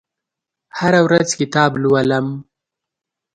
هره ورځ کتاب لولم